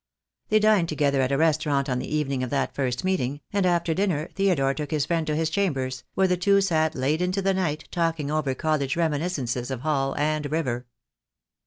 They dined together at a restaurant on the evening of that first meeting, and after dinner Theodore took his friend to his chambers, where the two sat late into the night talking over college re miniscences of hall and river.